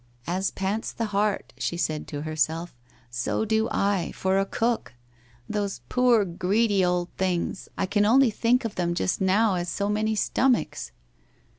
' As pants the hart '— she said to herself —' so do I, for a cook ! Those poor greedy old things ! I can only think of them, just now, as so many stomachs